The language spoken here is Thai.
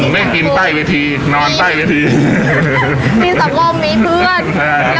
เม็ดกินใต้เวียทีนอนใต้เวียทีมีสังบรรณมีเพื่อนแล้ว